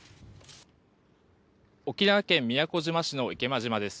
沖縄県宮古島市の池間島です。